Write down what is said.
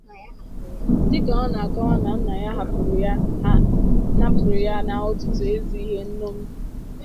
Dịka ọ na-akọwa na nna ya hapụụrụ ha ọtụtụ ezi ihe nñòmi